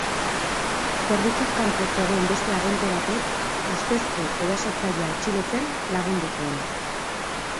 Zerbitzuz kanpo zegoen beste agente batek ustezko erasotzailea atxilotzen lagundu zuen.